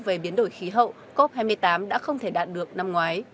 về biến đổi khí hậu cop hai mươi tám đã không thể đạt được năm ngoái